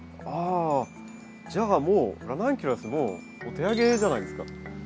あじゃあもうラナンキュラスもうお手上げじゃないですか？